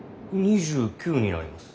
２９になります。